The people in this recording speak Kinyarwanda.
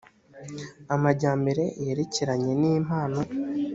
amajyambere yerekeranye n’impano